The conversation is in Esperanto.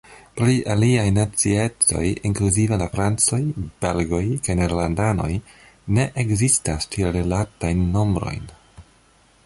Pri aliaj naciecoj inkluzive la francoj, belgoj kaj nederlandanoj ne ekzistas ĉi-rilatajn nombrojn.